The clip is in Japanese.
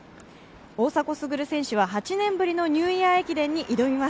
大迫傑選手は８年ぶりのニューイヤー駅伝に挑みます。